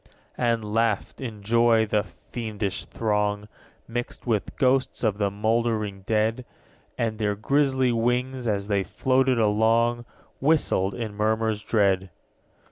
15. And laughed, in joy, the fiendish throng, Mixed with ghosts of the mouldering dead: And their grisly wings, as they floated along, Whistled in murmurs dread.